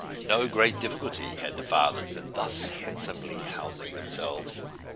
No great difficulty had the fathers in thus handsomely housing themselves.